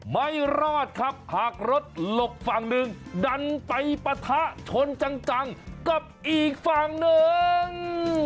ไม่รอดครับหากรถหลบฝั่งหนึ่งดันไปปะทะชนจังกับอีกฝั่งหนึ่ง